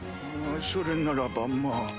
それならばまぁ。